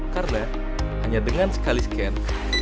karena hanya dengan sekali scan